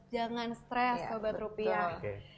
jangan stres hebat rupiah